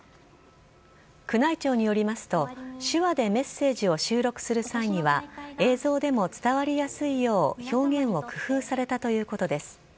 宮内庁によりますと、手話でメッセージを収録する際には、映像でも伝わりやすいよう表現を工夫されたということです。